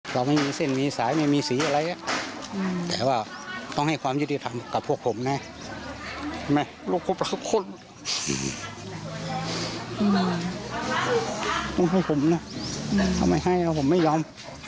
ผมไม่ยอมยืดความยุติธรรมของผม